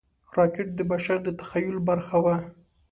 راکټ د بشر د تخیل برخه وه